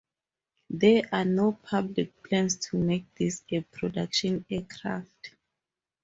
There are no public plans to make this a production aircraft.